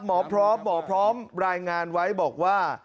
หมอพร้อมหมอพร้อมรายงานไว้บอกว่า